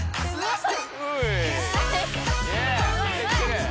すごい。